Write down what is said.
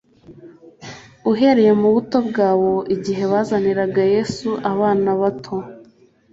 uhereye mu buto bwabo. Igihe bazaniraga Yesu abana bato,